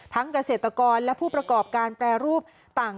เกษตรกรและผู้ประกอบการแปรรูปต่าง